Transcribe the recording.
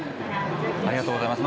ありがとうございます。